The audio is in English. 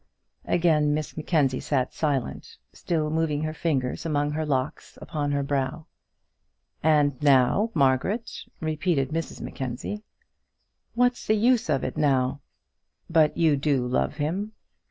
Again Miss Mackenzie sat silent, still moving her fingers among the locks upon her brow. "And now, Margaret?" repeated Mrs Mackenzie. "What's the use of it now?" "But you do love him?"